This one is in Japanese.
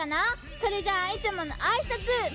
それじゃあいつものあいさつ！